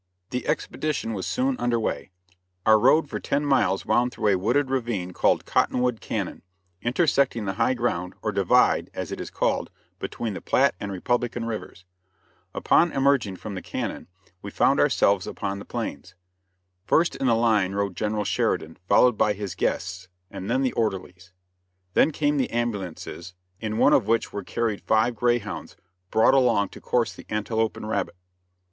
The expedition was soon under way. Our road for ten miles wound through a wooded ravine called Cottonwood Cañon, intersecting the high ground, or divide, as it is called, between the Platte and Republican Rivers. Upon emerging from the cañon we found ourselves upon the plains. First in the line rode General Sheridan, followed by his guests, and then the orderlies. Then came the ambulances, in one of which were carried five greyhounds, brought along to course the antelope and rabbit.